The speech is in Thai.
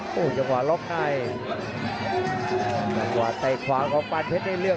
หลังกว่าล็อกไนหลังกว่าใต้ขวาของปานเพชรได้เลือก